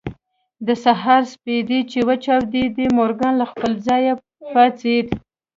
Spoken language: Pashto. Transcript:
د سهار سپېدې چې وچاودېدې مورګان له خپل ځايه پاڅېد.